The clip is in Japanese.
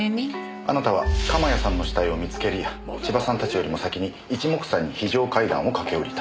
あなたは鎌谷さんの死体を見つけるや千葉さんたちよりも先に一目散に非常階段を駆け下りた。